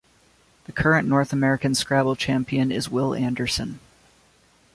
The current North American Scrabble Champion is Will Anderson.